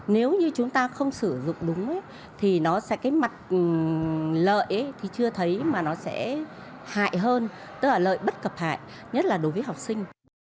nếu như chúng ta không sử dụng đúng thì mặt lợi chưa thấy mà nó sẽ hại hơn tức là lợi bất cập hại nhất là đối với học sinh